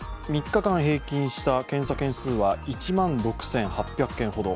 ３日間平均した検査件数は１万６８００件ほど。